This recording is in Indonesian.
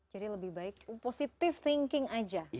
jadi lebih baik positive thinking aja